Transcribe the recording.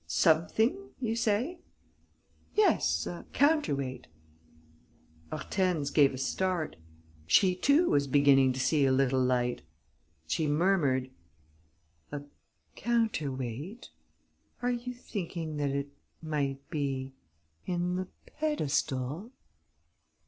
"Something, you say?" "Yes, a counterweight." Hortense gave a start. She too was beginning to see a little light. She murmured: "A counterweight?... Are you thinking that it might be ... in the pedestal?"